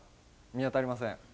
見当たりません。